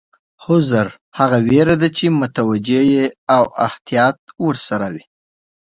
حذر هغه وېره ده چې متوجه یې او احتیاط ورسره وي.